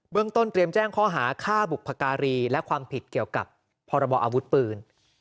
เรื่องต้นเตรียมแจ้งข้อหาฆ่าบุพการีและความผิดเกี่ยวกับพรบออาวุธปืน